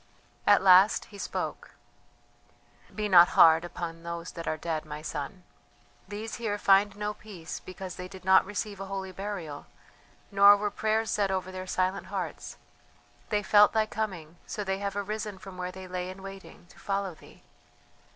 At last he spoke: "Be not hard upon those that are dead, my son; these here find no peace because they did not receive a holy burial, nor were prayers said over their silent hearts; they felt thy coming, so they have arisen from where they lay in waiting, to follow thee.